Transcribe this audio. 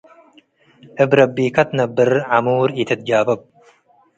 እብ ረቢከ ትነበር ዐሙር ኢትትጃበብ።